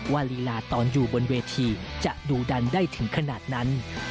ลีลาตอนอยู่บนเวทีจะดูดันได้ถึงขนาดนั้น